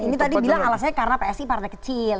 ini tadi bilang alasannya karena psi partai kecil